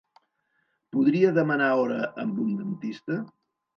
Podria demanar hora amb un dentista?